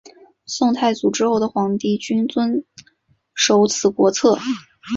宋太祖之后的皇帝均遵守此国策。